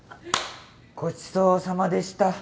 ごちそうさまでした。